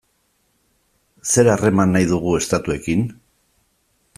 Zer harreman nahi dugu estatuekin?